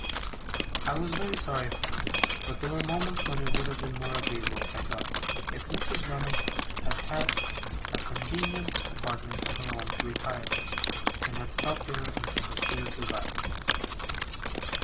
I was very sorry for her; but there were moments when it would have been more agreeable, I thought, if Mrs. Gummidge had had a convenient apartment of her own to retire to, and had stopped there until her spirits revived.